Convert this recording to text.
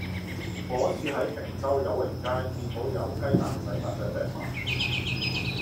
嗰次喺坪洲友榮街見到有雞蛋仔格仔餅賣